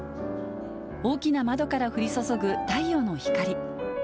大きな窓から降り注ぐ太陽の光。